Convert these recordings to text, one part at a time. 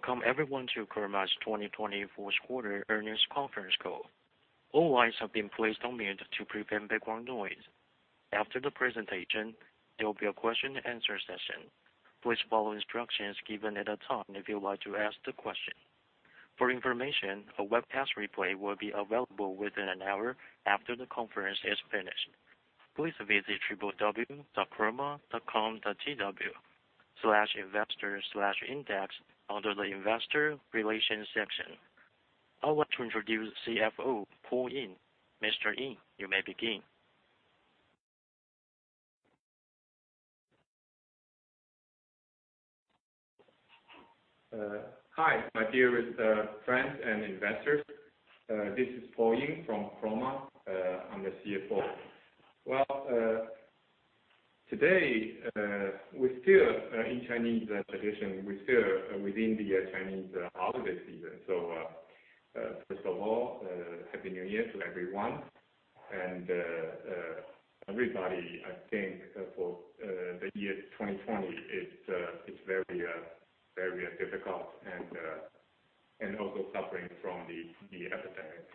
Welcome everyone to Chroma's 2020 fourth quarter earnings conference call. All lines have been placed on mute to prevent background noise. After the presentation, there will be a question and answer session. Please follow instructions given at the time if you'd like to ask the question. For information, a webcast replay will be available within an hour after the conference is finished. Please visit www.chroma.com.tw/investor/index under the investor relations section. I want to introduce CFO Paul Ying. Mr. Ying, you may begin. Hi, my dearest friends and investors. This is Paul Ying from Chroma. I'm the CFO. Today, in Chinese tradition, we're still within the Chinese holiday season. First of all, happy New Year to everyone. Everybody, I think, for the year 2020, it's very difficult and also suffering from the epidemic.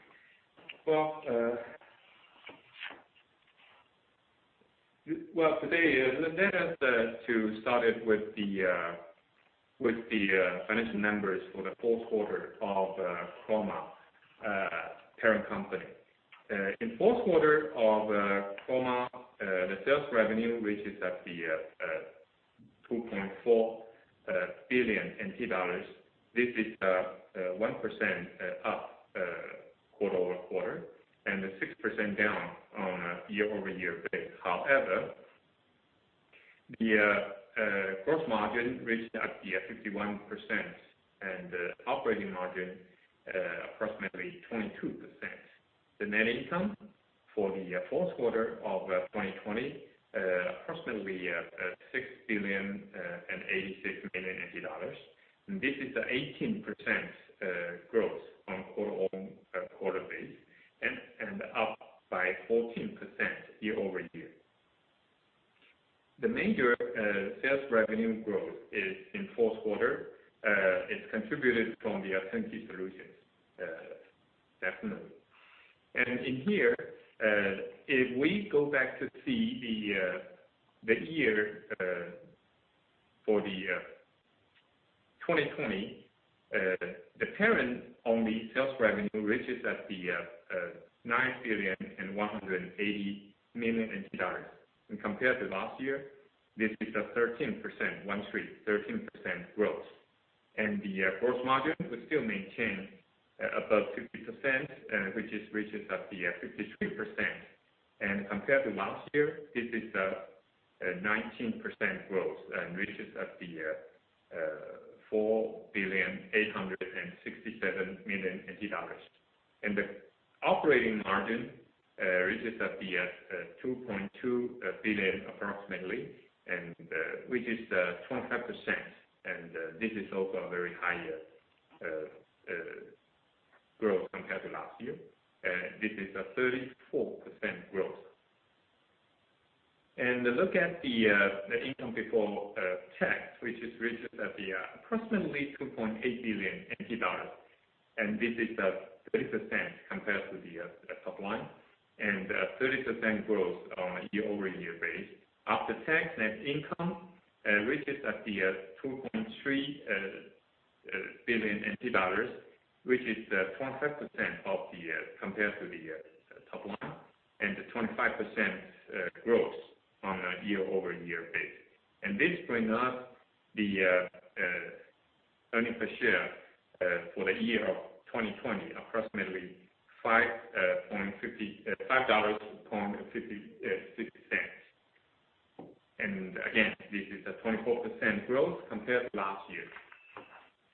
Today, let us start it with the financial members for the fourth quarter of Chroma parent company. In fourth quarter of Chroma, the sales revenue reaches at the 2.4 billion NT dollars. This is 1% up quarter-over-quarter, and 6% down on a year-over-year base. However, the gross margin reached at 51%, and the operating margin approximately 22%. The net income for the fourth quarter of 2020, approximately 6,086,000,000 dollars. This is 18% growth on quarter base and up by 14% year-over-year. The major sales revenue growth is in fourth quarter. It's contributed from the automation solutions definitely. If we go back to see the year for 2020, the parent only sales revenue reaches at the 9,180,000,000. When compared to last year, this is a 13% growth. The gross margin was still maintained above 50%, which it reaches at the 53%. Compared to last year, this is a 19% growth and reaches at the 4,867,000,000 dollars. The operating margin reaches at the 2.2 billion approximately, which is 25%. This is also a very high growth compared to last year. This is a 34% growth. Look at the income before tax, which is reached at the approximately 2.8 billion NT dollars. This is a 30% compared to the top line, 30% growth on a year-over-year basis. After tax net income reaches at the 2.3 billion NT dollars, which is 25% compared to the top line, 25% growth on a year-over-year base. This brings up the earning per share for the year of 2020, approximately 5.56 dollars. Again, this is a 24% growth compared to last year.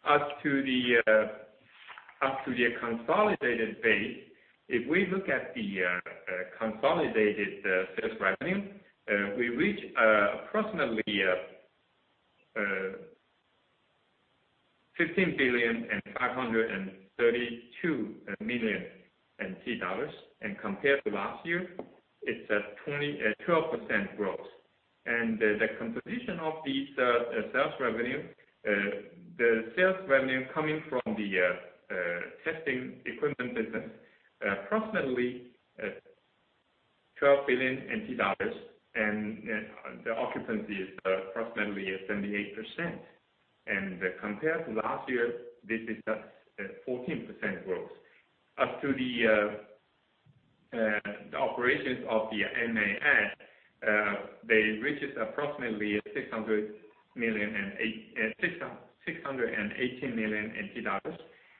As to the consolidated base, if we look at the consolidated sales revenue, we reach approximately 15,532,000,000 NT dollars. Compared to last year, it's a 12% growth. The composition of the sales revenue, the sales revenue coming from the testing equipment business, approximately 12 billion NT dollars, and the occupancy is approximately 78%. Compared to last year, this is a 14% growth. As to the operations of the MAS, they reached approximately 618 million NT dollars.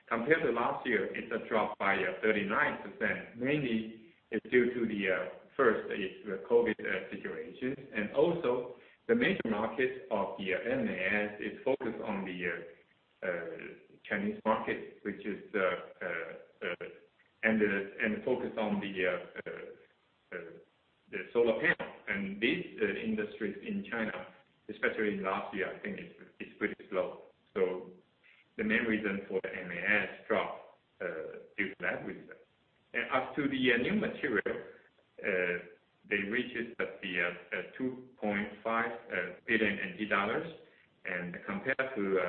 Compared to last year, it's a drop by 39%. Mainly it's due to the first is the COVID situation, and also the major market of the MAS is focused on the Chinese market and focused on the solar panel. These industries in China, especially in last year, I think it's pretty slow. The main reason for MAS drop, is that with them. As to the new material, they reached the 2.5 billion NT dollars, and compared to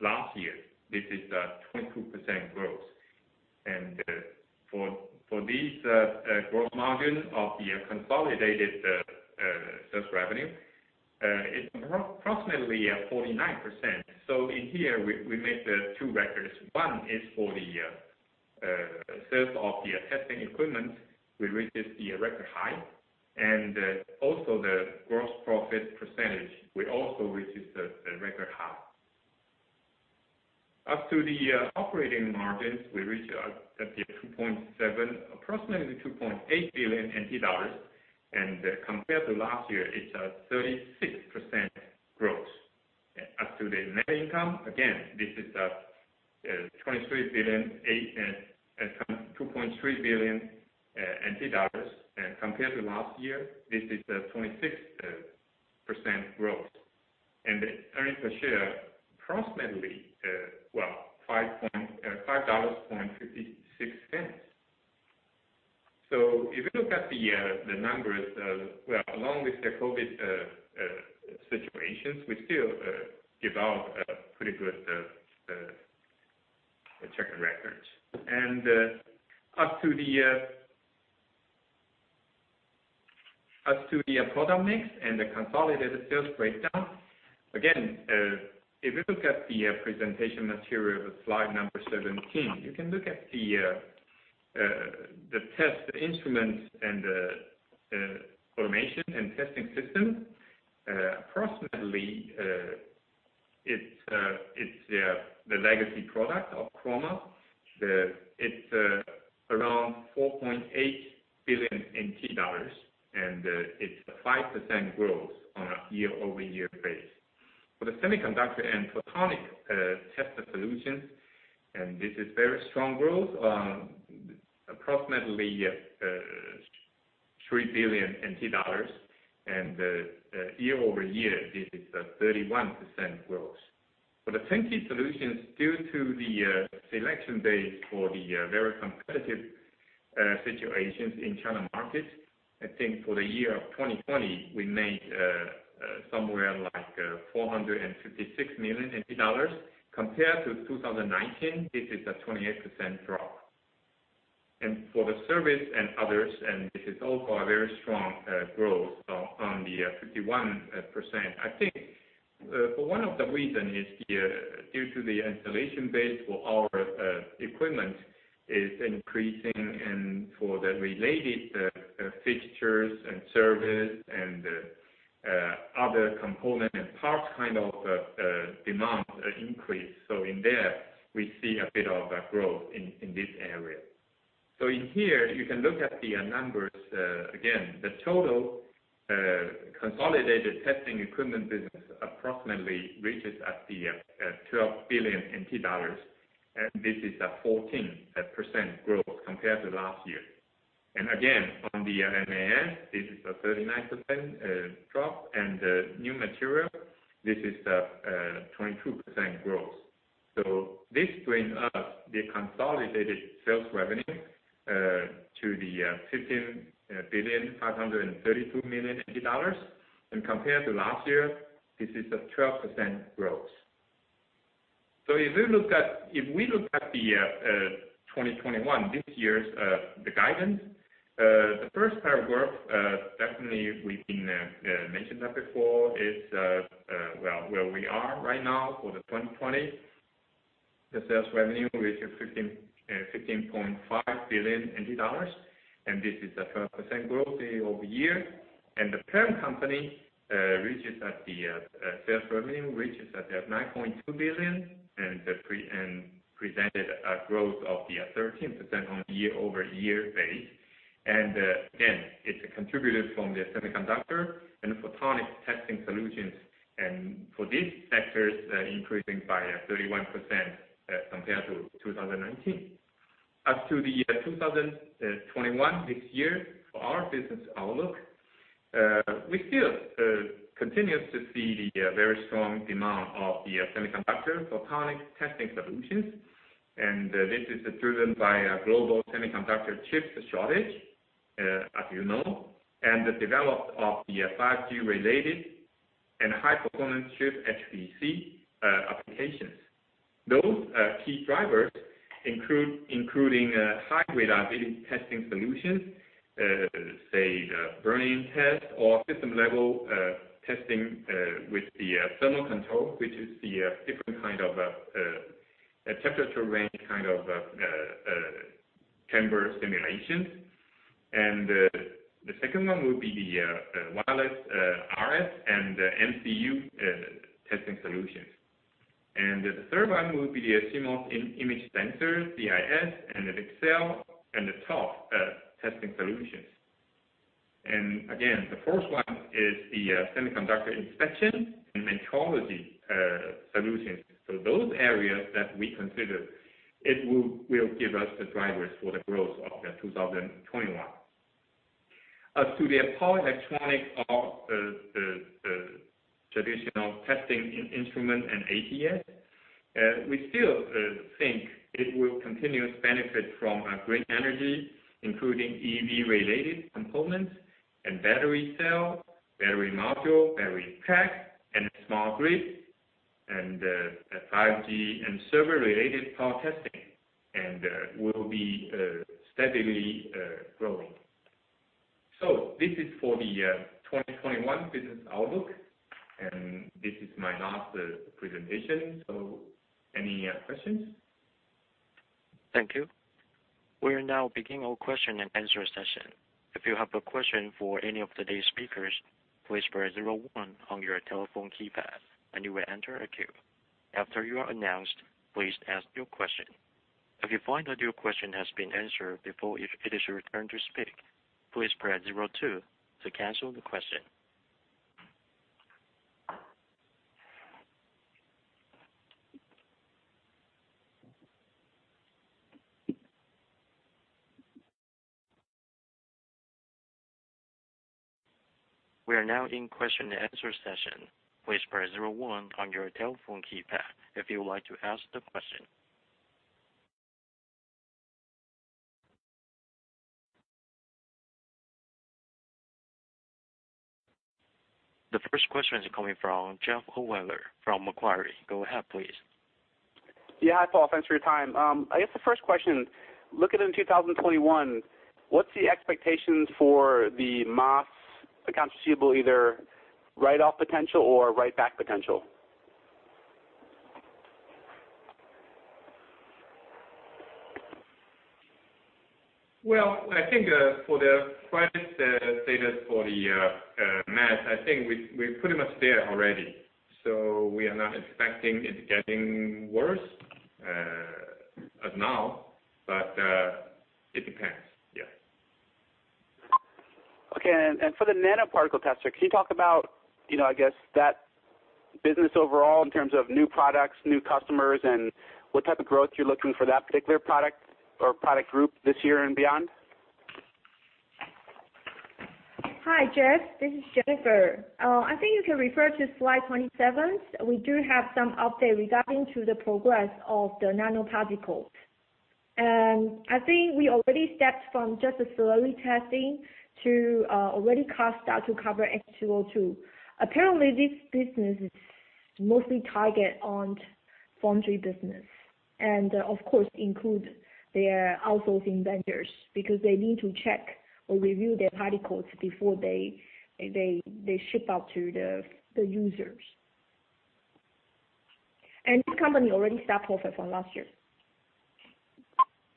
last year, this is a 22% growth. For this gross margin of the consolidated sales revenue, it's approximately 49%. In here, we make the two records. One is for the sales of the testing equipment, we reached the record high. Also the gross profit percentage, we also reached the record high. As to the operating margins, we reached at the approximately 2.8 billion NT dollars, and compared to last year, it's a 36% growth. As to the net income, again, this is 2.3 billion NT dollars, compared to last year, this is a 26% growth. The earnings per share, approximately, 5.56 dollars. If you look at the numbers, along with the COVID situations, we still developed a pretty good check and records. As to the product mix and the consolidated sales breakdown, again, if you look at the presentation material, slide number 17, you can look at the test instruments and the automation and testing system. Approximately, it's the legacy product of Chroma. It's around 4.8 billion NT dollars and it's a 5% growth on a year-over-year base. For the semiconductor and photonic tester solutions, and this is very strong growth, approximately TWD 3 billion, and year-over-year, this is a 31% growth. For the IoT solutions, due to the selection base for the very competitive situations in China market, I think for the year of 2020, we made somewhere like 456 million dollars. Compared to 2019, this is a 28% drop. For the service and others, this is also a very strong growth on the 51%. I think for one of the reason is due to the installation base for our equipment is increasing, and for the related fixtures and service and other component and parts kind of demand increase. In there, we see a bit of a growth in this area. In here, you can look at the numbers. Again, the total consolidated testing equipment business approximately reaches at the 12 billion NT dollars, this is a 14% growth compared to last year. Again, on the MAS, this is a 39% drop. New material, this is a 22% growth. This brings up the consolidated sales revenue to the 15,532,000,000 dollars. Compared to last year, this is a 12% growth. If we look at the 2021, this year's, the guidance, the first paragraph, definitely we've been mentioned that before, is where we are right now for the 2020. The sales revenue, which is 15.5 billion dollars, and this is a 12% growth year-over-year. The parent company reaches at the sales revenue, which is at the 9.2 billion, and presented a growth of the 13% on a year-over-year base. Again, it's contributed from the semiconductor and photonic testing solutions. For these sectors, increasing by 31% compared to 2019. As to the 2021, this year, for our business outlook, we still continue to see the very strong demand of the semiconductor photonic testing solutions. This is driven by a global semiconductor chip shortage, as you know, and the development of the 5G related and high-performance chip HPC applications. Those key drivers including high reliability testing solutions, say, the burn-in test or System Level Test with the thermal control, which is the different kind of temperature range kind of chamber simulations. The second one would be the wireless RF and MCU testing solutions. The third one would be the CMOS image sensor, CIS and the VCSEL and the ToF testing solutions. Again, the fourth one is the semiconductor inspection and metrology solutions. Those areas that we consider, it will give us the drivers for the growth of 2021. As to their power electronics or the traditional testing instrument and ATS, we still think it will continuously benefit from green energy, including EV-related components and battery cell, battery module, battery pack, and smart grid, and 5G, and server-related power testing, and will be steadily growing. This is for the 2021 business outlook, and this is my last presentation. Any questions? Thank you. We are now beginning our question and answer session. If you have a question for any of today's speakers, please press zero one on your telephone keypad and you will enter a queue. After you are announced, please ask your question. If you find that your question has been answered before it is your turn to speak, please press zero two to cancel the question. We are now in question and answer session. Please press zero one on your telephone keypad if you would like to ask the question. The first question is coming from Jeff Ohlweiler from Macquarie. Go ahead, please. Yeah. Hi, Paul. Thanks for your time. I guess the first question, looking in 2021, what's the expectations for the MAS accounts receivable, either write-off potential or write-back potential? Well, I think for the credit status for the MAS, I think we're pretty much there already. We are not expecting it getting worse as of now, but it depends. Yeah. Okay. For the nanoparticle tester, can you talk about, I guess that business overall in terms of new products, new customers, and what type of growth you're looking for that particular product or product group this year and beyond? Hi, Jeff. This is Jennifer. I think you can refer to slide 27. We do have some update regarding to the progress of the nanoparticles. I think we already stepped from just a slurry testing to already cost out to cover H2O2. Apparently, this business is mostly target on foundry business, and of course, includes their outsourcing vendors, because they need to check or review their particles before they ship out to the users. This company already start profit from last year.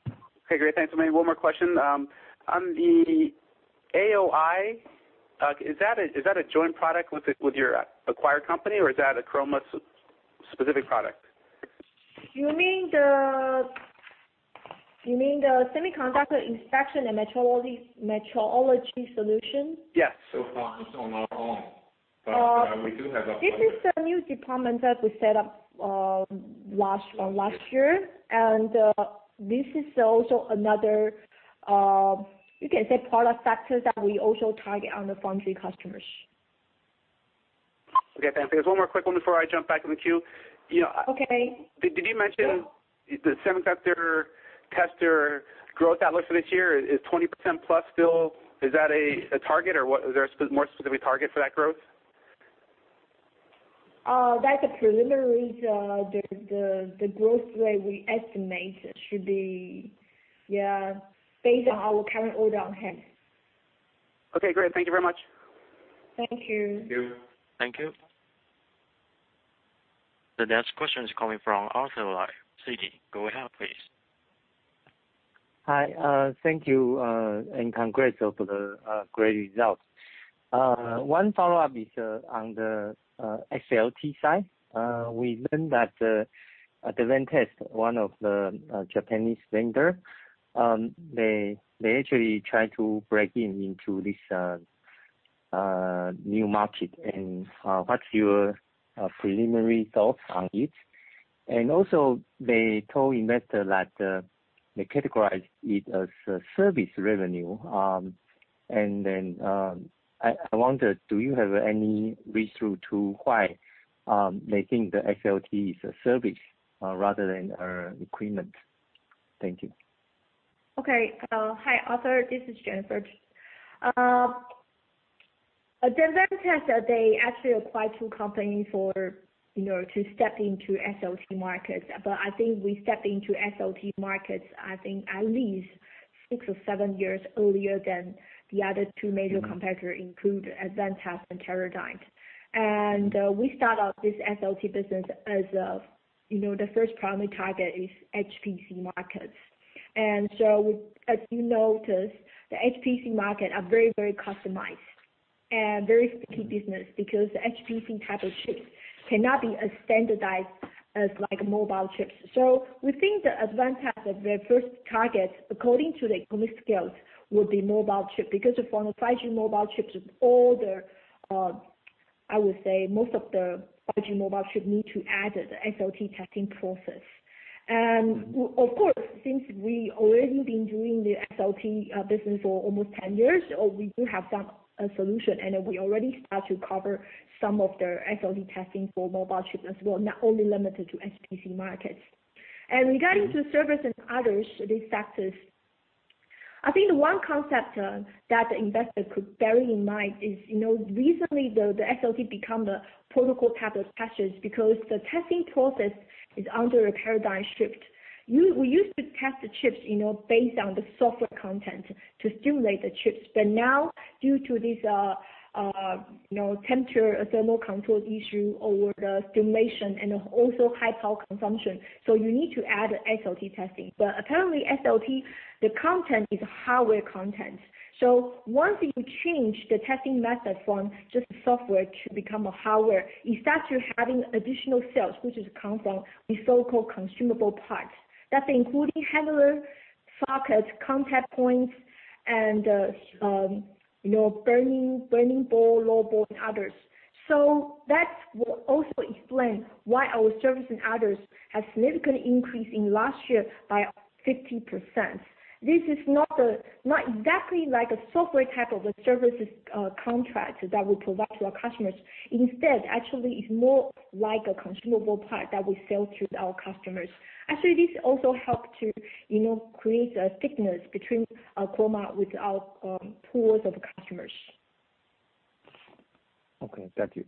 Okay, great. Thanks so much. One more question. On the AOI, is that a joint product with your acquired company, or is that a Chroma specific product? Do you mean the semiconductor inspection and metrology solution? Yes. So far, it's on our own, but we do have a partner. This is a new department that we set up last year. This is also another, you can say, product factor that we also target on the foundry customers. Okay, thanks. There's one more quick one before I jump back in the queue. Okay. Did you mention the semiconductor tester growth outlook for this year? Is 20% plus still, is that a target, or is there a more specific target for that growth? That's a preliminary. The growth rate we estimate should be based on our current order on hand. Okay, great. Thank you very much. Thank you. Thank you. Thank you. The next question is coming from Arthur Lai, Citi. Go ahead, please. Hi. Thank you and congrats for the great results. One follow-up is on the SLT side. We learned that Advantest, one of the Japanese vendor, they actually try to break in into this new market. What's your preliminary thoughts on it? Also, they told investor that they categorize it as a service revenue. I wondered, do you have any reason to why they think the SLT is a service rather than an equipment? Thank you. Okay. Hi, Arthur. This is Jennifer. Advantest, they actually acquired two company to step into SLT markets. I think we stepped into SLT markets, I think at least six or seven years earlier than the other two major competitor, include Advantest and Teradyne. We start out this SLT business as the first primary target is HPC markets. As you notice, the HPC market are very, very customized and very sticky business because the HPC type of chips cannot be as standardized as mobile chips. We think the advantage of their first target, according to the economic scales, would be mobile chip, because the 5G mobile chips with I would say most of the 5G mobile chip need to add the SLT testing process. Of course, since we already been doing the SLT business for almost 10 years, we do have some solution, and we already start to cover some of their SLT testing for mobile chip as well, not only limited to HPC markets. Regarding to service and others, these factors, I think the one concept that the investor could bear in mind is, recently, the SLT become the protocol type of testers because the testing process is under a Teradyne shift. We used to test the chips based on the software content to stimulate the chips, but now, due to this temperature thermal control issue over the stimulation and also high power consumption. You need to add SLT testing. Apparently, SLT, the content is hardware content. Once you change the testing method from just software to become a hardware, you start to having additional sales, which is come from the so-called consumable parts. That includes handler, sockets, contact points, and burn-in board, load board, and others. That will also explain why our service and others has significantly increased in last year by 50%. This is not exactly like a software type of a services contract that we provide to our customers. Instead, actually, it's more like a consumable part that we sell to our customers. Actually, this also help to create a stickiness between Chroma with our pools of customers. Okay. Thank you.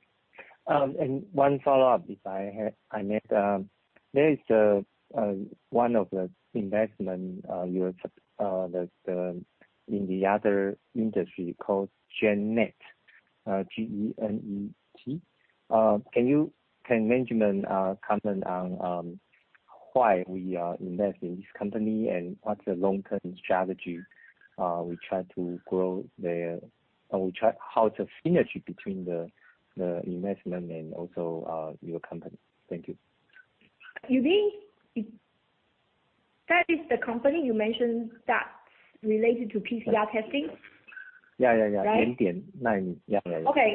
One follow-up, if I may. There is one of the investment you accept that in the other industry called GENNET, G-E-N-N-E-T. Can management comment on why we invest in this company, and what's the long-term strategy? How to synergy between the investment and also your company. Thank you. You mean, that is the company you mentioned that's related to PCR testing? Yeah. GENNET. Okay.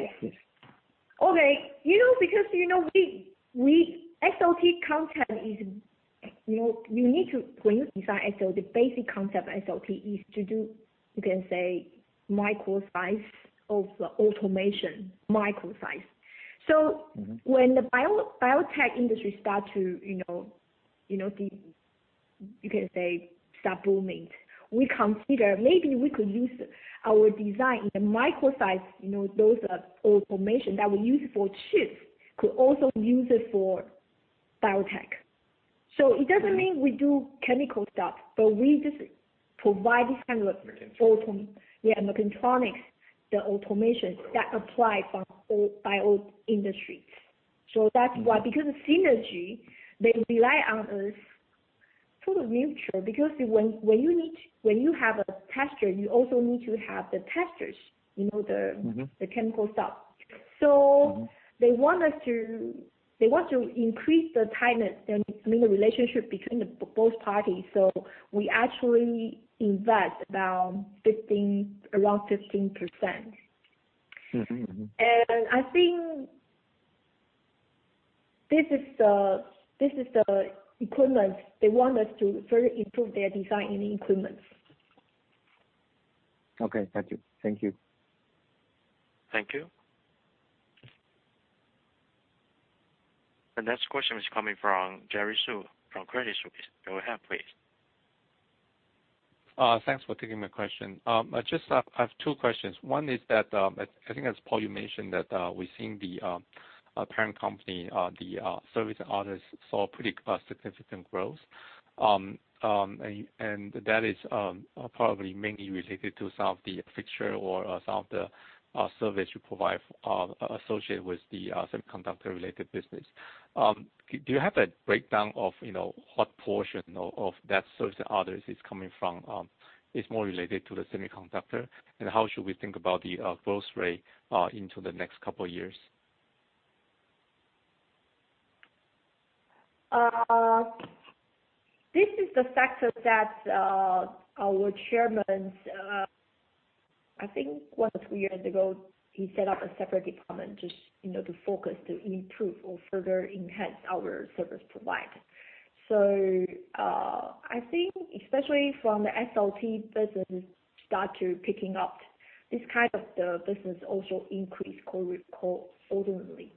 SLT content is unique when you design SLT. The basic concept of SLT is to do, you can say micro size of the automation. Micro size. When the biotech industry start booming, we consider maybe we could use our design in the micro size, those automation that we use for chips, could also use it for biotech. It doesn't mean we do chemical stuff, but we just provide. Yeah, mechatronics, the automation that apply for all bio industries. That's why, because of synergy, they rely on us. Sort of mutual, because when you have a tester, you also need to have the testers you know the chemical stuff. They want to increase the tightness and meaning relationship between the both parties. We actually invest around 15%. I think this is the equipment. They want us to further improve their design in the equipment. Okay. Thank you. Thank you. The next question is coming from Jerry Su from Credit Suisse. Go ahead, please. Thanks for taking my question. I have two questions. One is that, I think as Paul, you mentioned that we're seeing the parent company, the service and others, saw pretty significant growth. That is probably mainly related to some of the fixture or some of the service you provide associated with the semiconductor-related business. Do you have a breakdown of what portion of that service and others is more related to the semiconductor, and how should we think about the growth rate into the next couple of years? This is the factor that our chairman, I think one or two years ago, he set up a separate department just to focus to improve or further enhance our service provide. I think especially from the SLT business start to picking up, this kind of the business also increase correspondingly.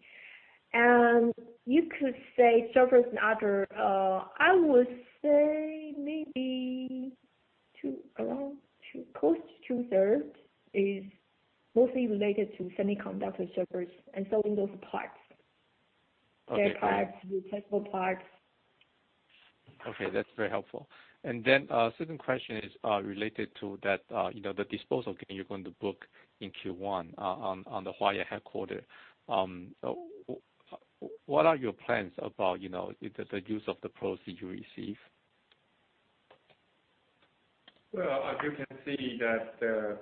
You could say service and other, I would say maybe close to 2/3 is mostly related to semiconductor service and selling those parts. Okay. Their parts, the test part. Okay. That's very helpful. Second question is related to that the disposal gain you're going to book in Q1 on the Taoyuan headquarter. What are your plans about the use of the proceeds you receive? Well, as you can see that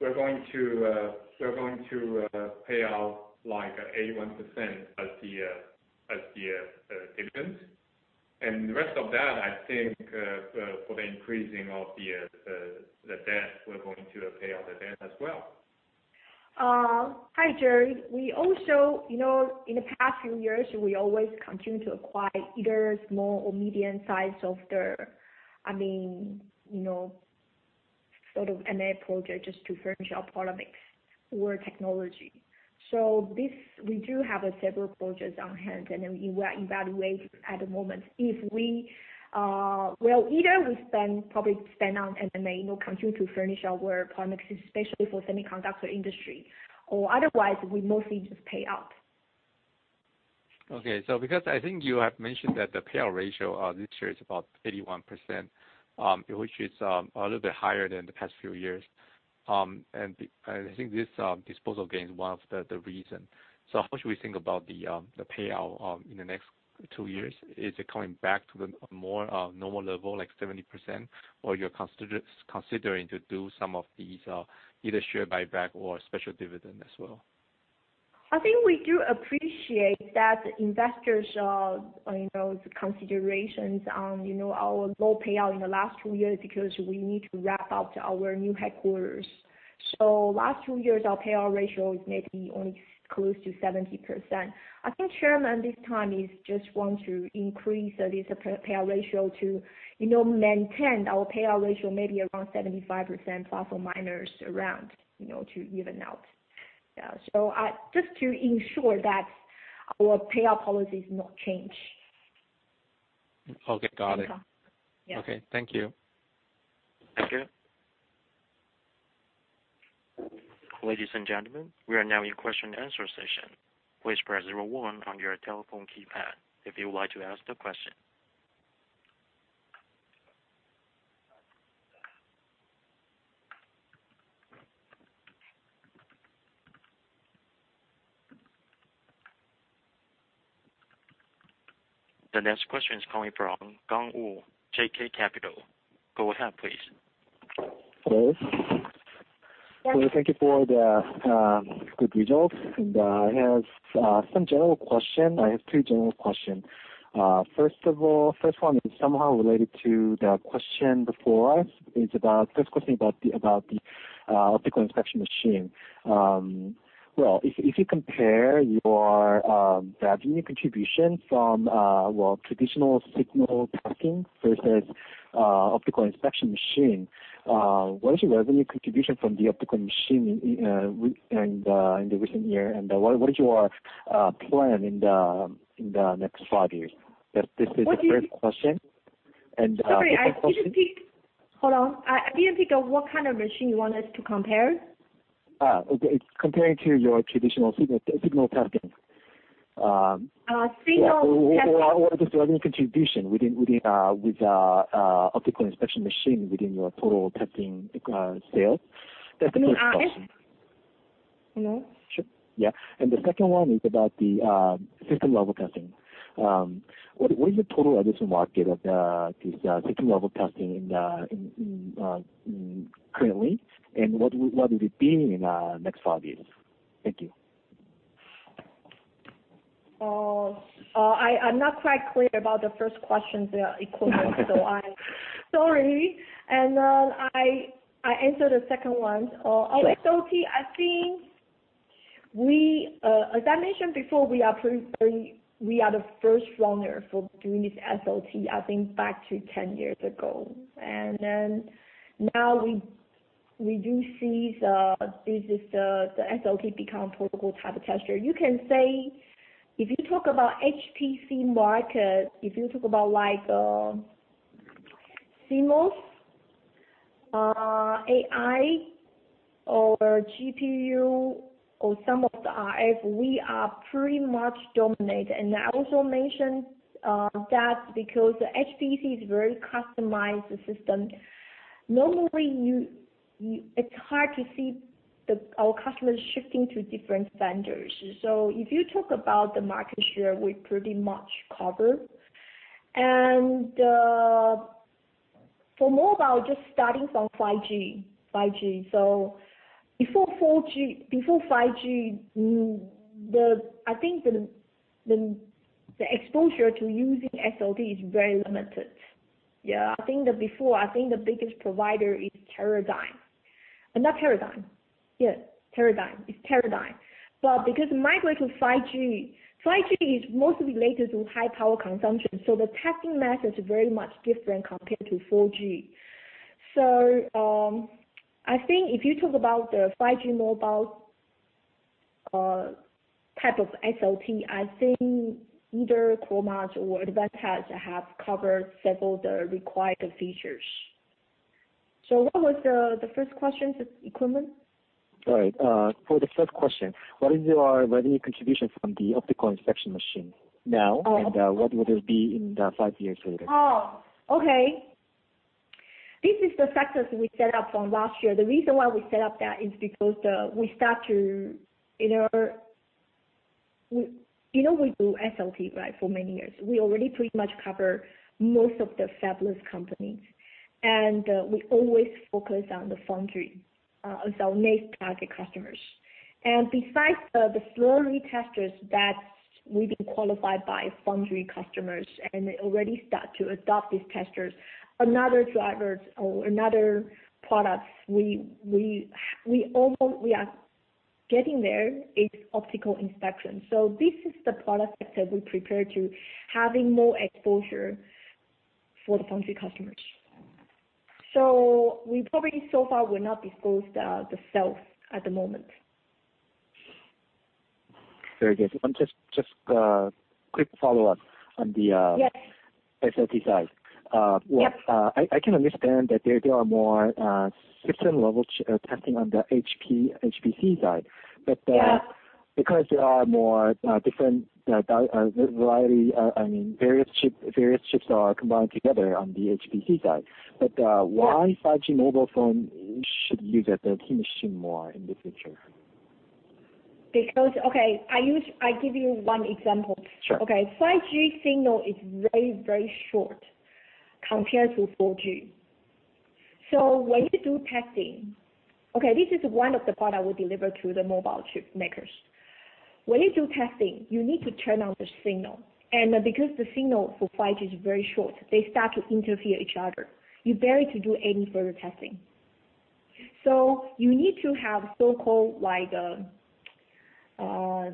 we're going to pay out like 81% as the dividend. The rest of that, I think, for the increasing of the debt, we're going to pay off the debt as well. Hi, Jerry. In the past few years, we always continue to acquire either small or medium size of the M&A projects just to furnish our products or technology. We do have several projects on hand, and we are evaluating at the moment. Either we probably spend on M&A, continue to furnish our products, especially for semiconductor industry, or otherwise, we mostly just pay out. Okay. Because I think you have mentioned that the payout ratio this year is about 81%, which is a little bit higher than the past few years. I think this disposal gain is one of the reasons. How should we think about the payout in the next two years? Is it coming back to the more normal level, like 70%? You're considering to do some of these, either share buyback or special dividend as well? I think we do appreciate that investors' considerations on our low payout in the last two years, because we need to wrap up our new headquarters. Last two years, our payout ratio is maybe only close to 70%. I think chairman this time just wants to increase this payout ratio to maintain our payout ratio, maybe around 75% plus or minus around, to even out. Just to ensure that our payout policy is not changed. Okay, got it. Yeah. Okay, thank you. Thank you. Ladies and gentlemen, we are now in question and answer session. Please press zero one on your telephone keypad if you would like to ask the question. The next question is coming from Gun Woo, JK Capital. Go ahead, please. Hello. Yes. Thank you for the good results. I have some general questions. I have two general questions. First one is somehow related to the question before us. First question about the optical inspection machine. Well, if you compare your revenue contribution from traditional signal testing versus optical inspection machine, what is your revenue contribution from the optical machine in the recent year? What is your plan in the next five years? This is the first question. Second question- Sorry, hold on. I didn't pick up, what kind of machine you want us to compare? Okay. It's comparing to your traditional signal testing. Signal testing. What is the revenue contribution with the optical inspection machine within your total testing sales? That is the first question. Can you ask No. Sure. Yeah. The second one is about the System Level Test. What is the total addressable market of this System Level Test currently, and what will it be in the next five years? Thank you. I'm not quite clear about the first question, the equipment, so I'm sorry. I answer the second one. SLT, as I mentioned before, we are the first runner for doing this SLT, I think, back to 10 years ago. Now we do see the SLT become portable type of tester. You can say, if you talk about HPC market, if you talk about CMOS, AI, or GPU, or some of the RF, we are pretty much dominated. I also mentioned that because the HPC is very customized system, normally it's hard to see our customers shifting to different vendors. If you talk about the market share, we pretty much cover. For mobile, just starting from 5G. Before 5G, I think the exposure to using SLT is very limited. I think that before, I think the biggest provider is Teradyne, and that's Teradyne. Yes Teradyne, its Teradyne because migrating to 5G is mostly related to high power consumption, the testing method is very much different compared to 4G. I think if you talk about the 5G mobile type of SLT, I think either Chroma or Advantest have covered several of the required features. What was the first question, the equipment? Sorry. For the first question, what is your revenue contribution from the optical inspection machine now, and what will it be in the five years later? Okay. This is the factors we set up from last year. The reason why we set up that is because we do SLT for many years. We already pretty much cover most of the fabless companies. We always focus on the foundry as our main target customers. Besides the flow-through testers that we've been qualified by foundry customers, and they already start to adopt these testers, another drivers or another products we are getting there is optical inspection. This is the product that we prepare to having more exposure for the foundry customers. We probably so far will not disclose the sales at the moment. Very good. Just a quick follow-up. Yes. on the SLT side. Yep. I can understand that there are more System Level Testing on the HPC side. Yeah. Because there are more different variety, various chips are combined together on the HPC side. Why 5G mobile phone should use a testing machine more in the future? Okay, I give you one example. Sure. Okay. 5G signal is very short compared to 4G. When you do testing, okay, this is one of the product we deliver to the mobile chip makers. When you do testing, you need to turn on the signal. Because the signal for 5G is very short, they start to interfere each other. You barely can do any further testing. You need to have so-called, we call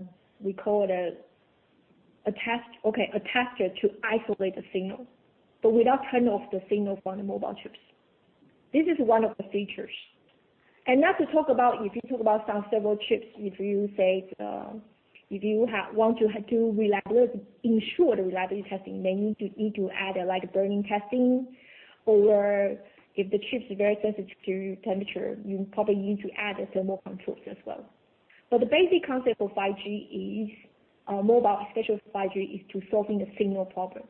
it, okay, a tester to isolate the signal, but without turning off the signal from the mobile chips. This is one of the features. Not to talk about if you talk about some several chips, if you want to ensure the reliability testing, they need to add a burn-in testing. If the chip's very sensitive to temperature, you probably need to add a thermal controls as well. The basic concept for mobile, especially 5G, is to solving a signal problem.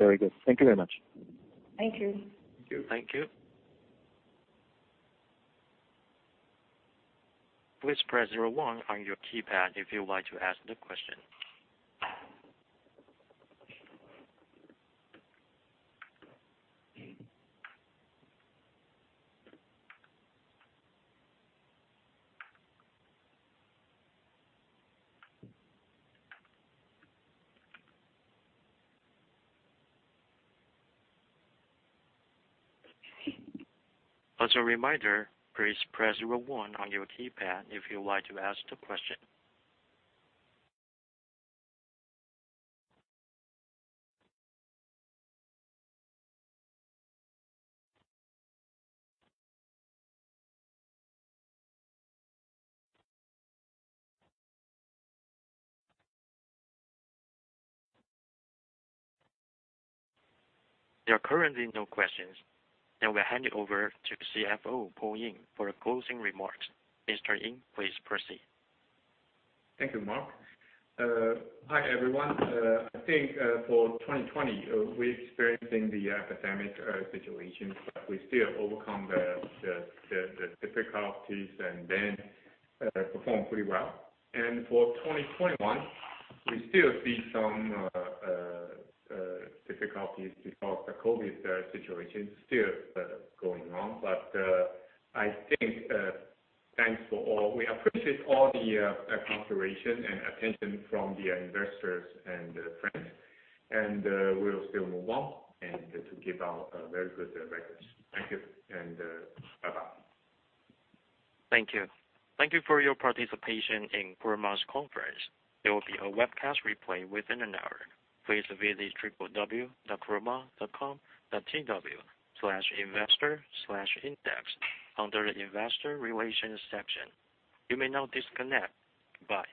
Very good. Thank you very much. Thank you. Thank you. Thank you. Please press zero one on your keypad if you would like to ask a question. As a reminder please press zero one on your keypad if you would like to ask a question. Currently there are no questions. Now we hand it over to CFO Paul Ying for the closing remarks. Mr. Ying, please proceed. Thank you, Mark. Hi, everyone. I think, for 2020, we're experiencing the epidemic situation, but we still overcome the difficulties and then perform pretty well. For 2021, we still see some difficulties because the COVID situation still going on. I think, thanks for all. We appreciate all the consideration and attention from the investors and friends. We'll still move on and to give our very good records. Thank you, and bye-bye. Thank you. Thank you for your participation in Chroma's conference. There will be a webcast replay within an hour. Please visit www.chroma.com.tw/investor/index under the investor relations section. You may now disconnect. Bye.